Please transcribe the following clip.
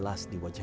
pas mbak putri